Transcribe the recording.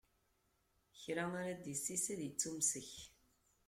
Kra ara d-issis, ad ittumessek.